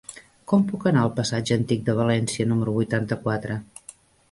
Com puc anar al passatge Antic de València número vuitanta-quatre?